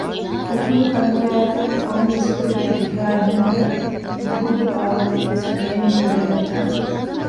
ފުފުލު ކަންޖާއެކު ކޮންމެވެސް ކުޅި ހެދިކާއެއް ނުވަތަ މަހުގެ ބާވަތެއްވެސް ބޭނުން ކުރެއްވި ދާނެ